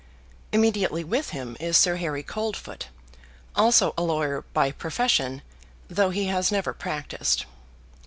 Immediately with him is Sir Harry Coldfoot, also a lawyer by profession, though he has never practised.